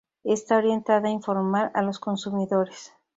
Está orientada a informar a los consumidores.